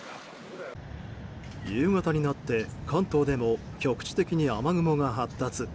夕方になって関東でも局地的に雨雲が発達。